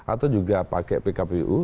atau juga pakai pkpu